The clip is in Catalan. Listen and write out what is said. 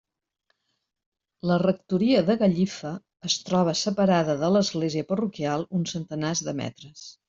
La rectoria de Gallifa es troba separada de l'església parroquial uns centenars de metres.